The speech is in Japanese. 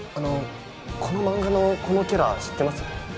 このマンガのこのキャラ知ってます？